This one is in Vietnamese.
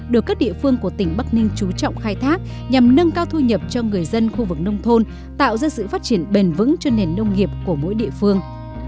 được các địa phương của tỉnh bắc ninh trú trọng khai thác nhằm nâng cao thu nhập cho người dân khu vực nông thôn tạo ra sự phát triển bền vững cho nền nông nghiệp của mỗi địa phương